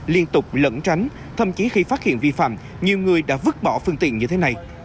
liên tục lẫn tránh thậm chí khi phát hiện vi phạm nhiều người đã vứt bỏ phương tiện như thế này